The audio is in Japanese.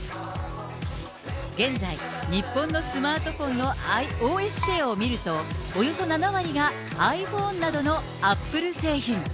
現在、日本のスマートフォンのｉＯＳシェアを見ると、およそ７割がｉＰｈｏｎｅなどのアップル製品。